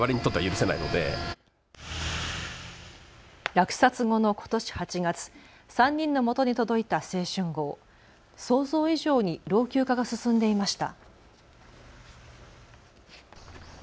落札後のことし８月、３人のもとに届いた青春号、想像以上に老朽化が進んでいました。